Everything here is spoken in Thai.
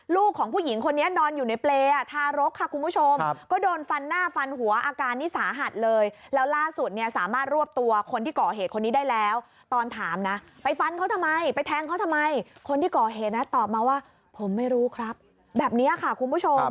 ลูกของผู้หญิงคนนี้นอนอยู่ด้วยเบลยะทารกค่ะคุณผู้ชม